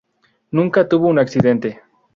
Nunca tuvo un accidente.